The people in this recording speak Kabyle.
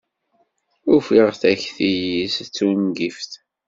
Ufiɣ takti-is d tungift.